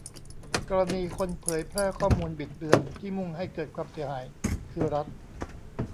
กรณีคนเผยแพร่ข้อมูลบิดเบือนที่มุ่งให้เกิดความเสียหายคือรัฐ